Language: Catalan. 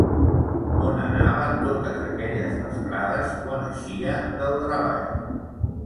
On anava totes aquelles vesprades quan eixia del treball?